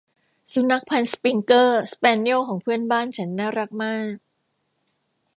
สุนัขพันธุ์สปริงเกอร์ สแปเนียลของเพื่อนบ้านฉันน่ารักมาก